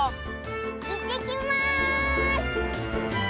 いってきます！